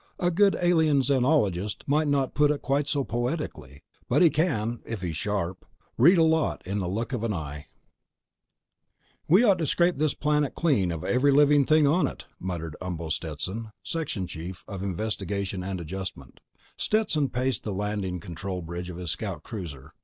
A good Alien Xenologist might not put it quite so poetically ... but he can, if he's sharp, read a lot in the look of an eye!_ Illustrated by van Dongen "We ought to scrape this planet clean of every living thing on it," muttered Umbo Stetson, section chief of Investigation & Adjustment. Stetson paced the landing control bridge of his scout cruiser.